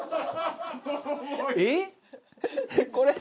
えっ？